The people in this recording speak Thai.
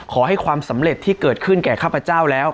ขอให้ความสำเร็จที่เกิดขึ้นแก่ข้าพเจ้าแล้ว